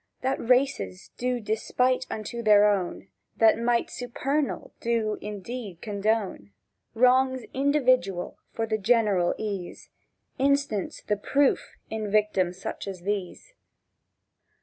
—That races do despite unto their own, That Might supernal do indeed condone Wrongs individual for the general ease, Instance the proof in victims such as these.